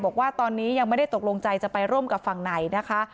บอกว่าตอนนี้ยังไม่ได้ตกลงใจจะไปร่วมกับฝั่งไหนนะคะ